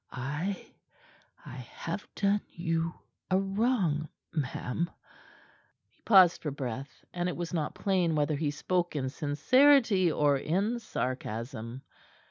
I I have done you a wrong, madam." He paused for breath, and it was not plain whether he spoke in sincerity or in sarcasm.